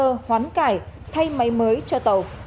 hồ sơ hoán cải thay máy mới cho tàu